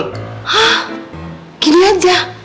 hah gini aja